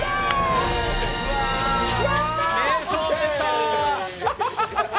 名勝負でした。